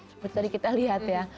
seperti tadi kita lihat ya